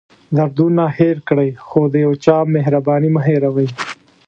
دردونه هېر کړئ خو د یو چا مهرباني مه هېروئ.